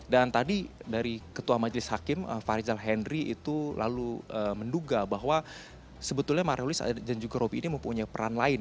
dan tadi dari ketua majelis hakim faryjal henry itu lalu menduga bahwa sebetulnya mariulis dan juga robi ini mempunyai peran lain